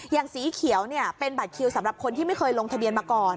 สีเขียวเป็นบัตรคิวสำหรับคนที่ไม่เคยลงทะเบียนมาก่อน